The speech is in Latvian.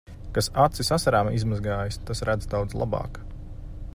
Kas acis asarām izmazgājis, tas redz daudz labāk.